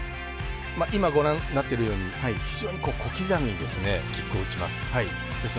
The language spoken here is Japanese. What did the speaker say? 今、ご覧になってるように非常に小刻みにキックを打ちます。